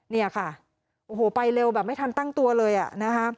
เนี่ยค่ะโอ้โหไปเร็วแบบไม่ทันตั้งตัวเลยอ่ะนะคะ